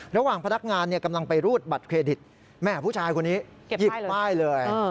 ระหว่างพนักงานกำลังไปรูดบัตรเครดิตแม่ผู้ชายคนนี้หยิบป้ายเลย